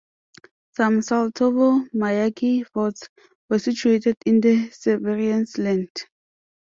Some Saltovo-Mayaki forts were situated in the Severians land.